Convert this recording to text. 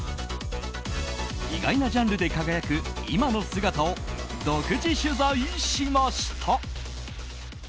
意外なジャンルで輝く今の姿を独自取材しました。